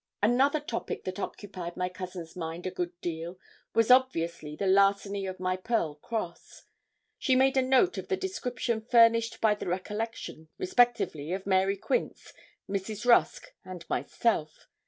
Another topic that occupied my cousin's mind a good deal was obviously the larceny of my pearl cross. She made a note of the description furnished by the recollection, respectively, of Mary Quince, Mrs. Rusk, and myself.